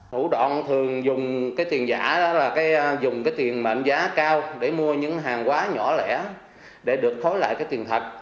hữu đoàn thường dùng tiền giả là dùng tiền mệnh giá cao để mua những hàng quá nhỏ lẻ để được thối lại tiền thật